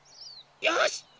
よし！